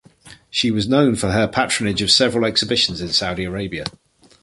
She was known for her patronage of several exhibitions in Saudi Arabia.